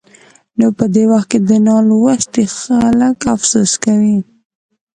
نو په دې وخت کې نالوستي خلک افسوس کوي.